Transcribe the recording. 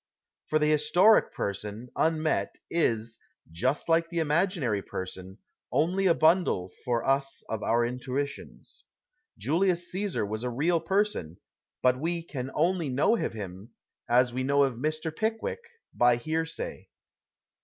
For the historic person, unmet, is, just like the imaginary person, only a bundle for us of our intuitions. Julius Ca,'sar was a real person, but we can only know of him, as we know of Mr. Pickwick, 90 CRITICISM AND CREATION by hearsay.